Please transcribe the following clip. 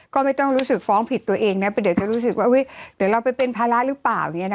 ก็ไม่ต้องรู้สึกฟ้องผิดตัวเองนะเดี๋ยวจะรู้สึกว่าเดี๋ยวเราไปเป็นภาระหรือเปล่าอย่างนี้นะ